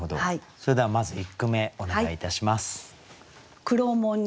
それではまず１句目お願いいたします。